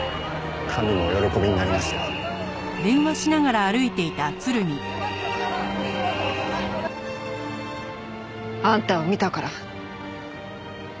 神もお喜びになりますよ。あんたを見たから。